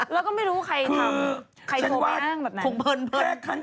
แล้วก็ไม่รู้ใครทำใครโทรมาแบบนั้น